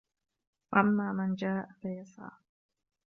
وَأَمَّا مَن جَاءَكَ يَسْعَى